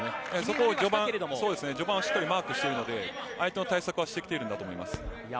そこを１番しっかりマークしているので相手の対策していると思います。